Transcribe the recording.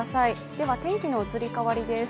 では天気の移り変わりです。